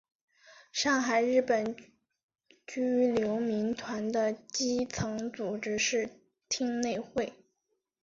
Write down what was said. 上海日本居留民团的基层组织是町内会。